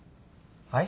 はい？